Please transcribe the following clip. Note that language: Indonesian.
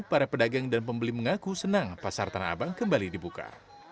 para pedagang dan pembeli mengaku senang pasar tanah abang kembali dibuka